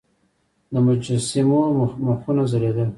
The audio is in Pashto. د مجسمو مخونه ځلیدل